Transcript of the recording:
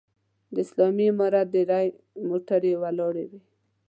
د اسلامي امارت ډېرې موټرې ولاړې وې.